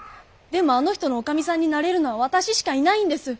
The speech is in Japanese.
でもあの人のおかみさんになれるのは私しかいないんです。